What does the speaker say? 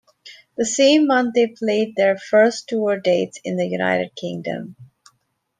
The same month they played their first tour dates in the United Kingdom.